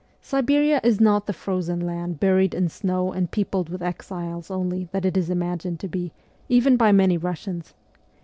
Siberia is not the frozen land buried in snow and peopled with exiles only that it is imagined to be, even by many Russians.